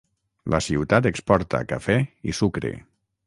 La ciutat exporta cafè i sucre.